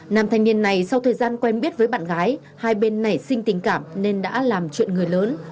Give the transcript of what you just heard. nam thanh niên này sau thời gian quen biết với bạn gái hai bên nảy sinh tình cảm nên đã làm chuyện người lớn